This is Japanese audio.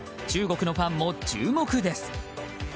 中国のファンも注目です。